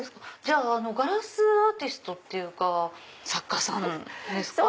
ガラスアーティストっていうか作家さんですか？